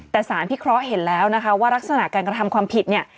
แต่สารพิเคราะห์เห็นแล้วนะคะว่ารักษณะการกระทำความผิดเนี่ย